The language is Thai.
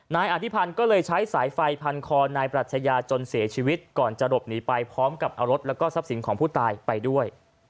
นายอธิพันธ์ก็เลยใช้สายไฟพันคอนายปรัชญาจนเสียชีวิตก่อนจะหลบหนีไปพร้อมกับเอารถแล้วก็ทรัพย์สินของผู้ตายไปด้วย